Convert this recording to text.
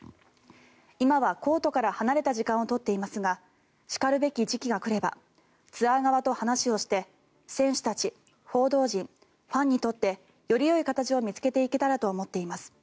今はコートから離れた時間を取っていますがしかるべき時期が来ればツアー側と話をして選手たち、報道陣ファンにとってよりよい形を見つけていけたらと思っています。